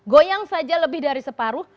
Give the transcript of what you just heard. goyang saja lebih dari separuh